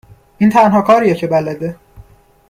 این تنها کاریه که بلده